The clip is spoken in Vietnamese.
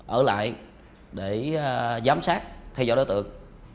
ở lại để giám sát theo dõi đối tượng